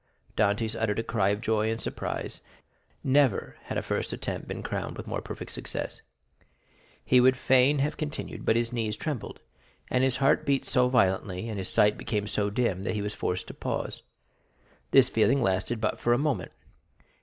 Dantès uttered a cry of joy and surprise; never had a first attempt been crowned with more perfect success. He would fain have continued, but his knees trembled, and his heart beat so violently, and his sight became so dim, that he was forced to pause. This feeling lasted but for a moment.